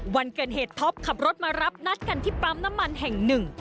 วันเกิดเหตุท็อปขับรถมารับนัดกันที่ปั๊มน้ำมันแห่งหนึ่ง